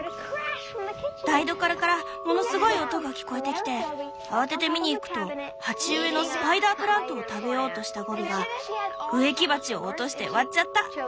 台所からものすごい音が聞こえてきて慌てて見にいくと鉢植えのスパイダープラントを食べようとしたゴビが植木鉢を落として割っちゃった！